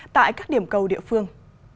tại các điểm cầu địa phương